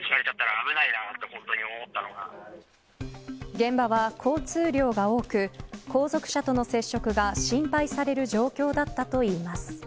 現場は交通量が多く後続車との接触が心配される状況だったといいます。